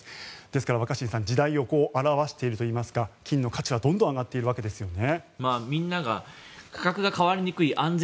ですから若新さん時代を表しているといいますか金の価値はどんどん上がっているわけですね。